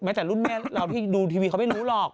แต่รุ่นแม่เราที่ดูทีวีเขาไม่รู้หรอก